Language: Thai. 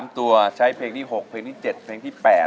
๓ตัวใช้เพลงที่๖เพลงที่๗เพลงที่๘